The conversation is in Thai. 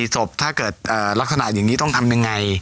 ศพถ้าเกิดลักษณะอย่างนี้ต้องทำยังไง